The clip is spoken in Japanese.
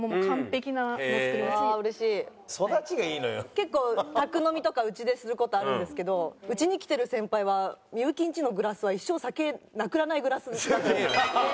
結構宅飲みとかうちでする事あるんですけどうちに来てる先輩は幸んちのグラスは一生酒なくならないグラスだと思ったって。